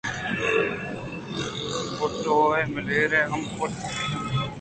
کُنٹگوئے ءُ ملّیرے ہم پَتّءُ ہم سنّت بُوتاں